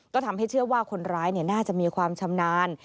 ก็ทำให้เชื่อว่าคนร้ายน่าจะมีความชำนาญ